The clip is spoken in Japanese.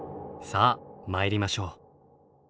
さあ参りましょう。